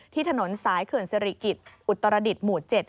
ถนนสายเขื่อนสิริกิจอุตรดิษฐ์หมู่๗